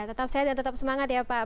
tetap sehat dan tetap semangat ya pak